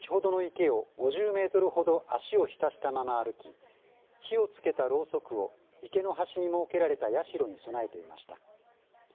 池を５０メートルほど足を浸したまま歩き火をつけた、ろうそくを池の端に設けられた社に備えていました。